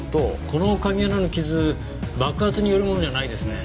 この鍵穴の傷爆発によるものではないですね。